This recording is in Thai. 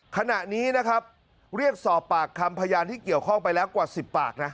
ขณะนี้นะครับเรียกสอบปากคำพยานที่เกี่ยวข้องไปแล้วกว่า๑๐ปากนะ